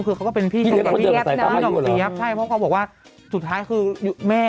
คือเขาก็เป็นพี่ชม